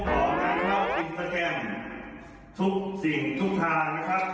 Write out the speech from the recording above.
ขอแนะนำอินเตอร์แครมทุกสิ่งทุกทางนะครับ